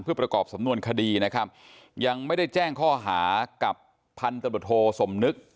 เพื่อประกอบสำนวนคดีนะครับยังไม่ได้แจ้งข้อหากับพันธบทโทสมนึก